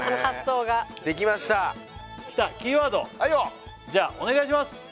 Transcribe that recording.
発想がキーワードじゃあお願いします